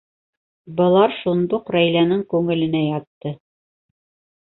Былар шундуҡ Рәйләнең күңеленә ятты.